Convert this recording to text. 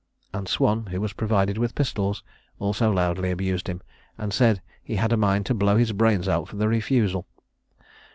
And Swan, who was provided with pistols, also loudly abused him, and said he had a mind to blow his brains out for the refusal.